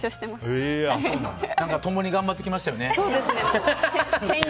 共に頑張ってきましたよね。